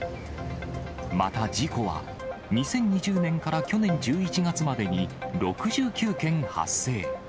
また、事故は２０２０年から去年１１月までに６９件発生。